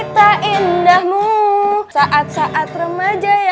hanya aku atur atur aja